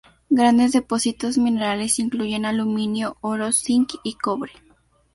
Grandes depósitos minerales incluyen aluminio, oro, zinc y cobre.